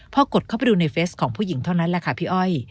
พอกดเข้าไปดูในเฟสของผู้หญิงเท่านั้นแหละค่ะพี่อ้อย